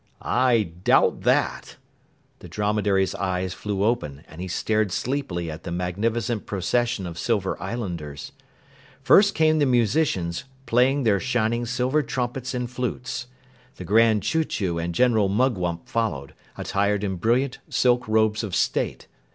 "I doubt that!" The dromedary's eyes flew open, and he stared sleepily at the magnificent procession of Silver Islanders. First came the musicians, playing their shining silver trumpets and flutes. The Grand Chew Chew and General Mugwump followed, attired in brilliant silk robes of state.